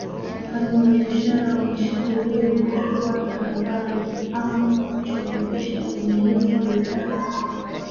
Wafanyabiashara wameshauriwa kuchukua tahadhari, ama kwa kuchelewesha uagizaji bidhaa au kutumia njia mbadala ya kati “Central Corridor”